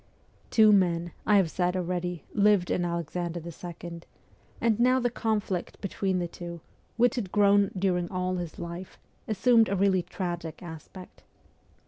Two men, I have said already, lived in Alexander II., and now the conflict between the two, which had grown during all his life, assumed a really tragic aspect.